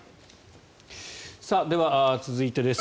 では続いてです。